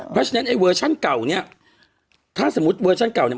เพราะฉะนั้นไอ้เวอร์ชั่นเก่าเนี่ยถ้าสมมุติเวอร์ชั่นเก่าเนี่ย